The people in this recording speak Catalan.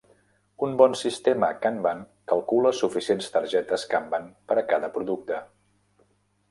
Un bon sistema kanban calcula suficients targetes kanban per a cada producte.